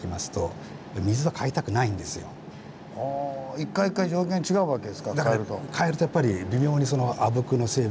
一回一回条件違うわけですか替えると。